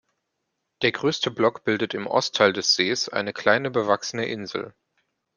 Der größte Block bildet im Ostteil des Sees eine kleine, bewachsene Insel.